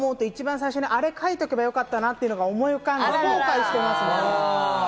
最初にあれを描いておけばよかったっていうのが浮かんで後悔してます。